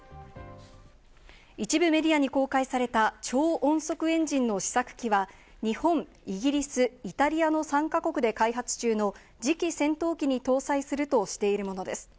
一部メディアに公開された超音速エンジンの試作機は、日本、イギリス、イタリアの３か国で開発中の次期戦闘機に搭載するとしているものです。